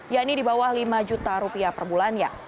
yakni di bawah rp lima per bulannya